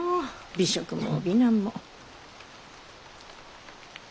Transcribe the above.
美食も美男も。